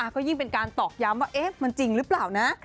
ก็ยิ่งเป็นการตอกย้ำว่ามันจริงหรือเปล่านะ